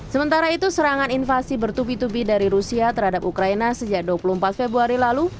sementara itu serangan invasi bertubi tubi dari rusia terhadap ukraina sejak dua puluh empat februari lalu